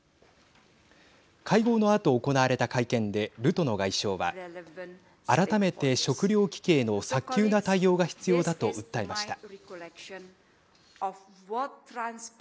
会合のあと行われた会見でルトノ外相は改めて食料危機への早急な対応が必要だと訴えました。